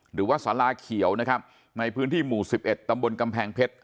หรือว่าสาราเขียวนะครับในพื้นที่หมู่๑๑ตำบลกำแพงเพชร